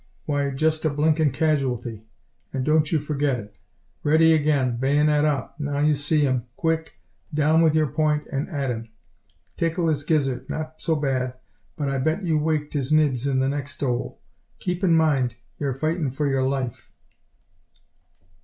Why, just a blinkin' casualty, and don't you forget it. Ready again, bayonet up. Now you see 'em. Quick, down with your point and at 'im. Tickle 'is gizzard. Not so bad, but I bet you waked 'is nibs in the next 'ole. Keep in mind you're fightin' for your life...."